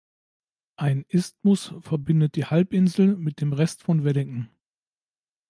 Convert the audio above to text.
Ein Isthmus verbindet die Halbinsel mit dem Rest von Wellington.